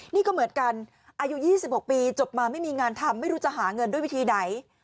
นี่ก็เหมือนกันอายุ๒๖ปีจบมาไม่มีงานทำไม่รู้จะหาเงินด้วยวิธีไหน